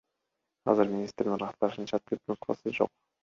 Азыр министрдин ырасташынча, түп нускасы жок.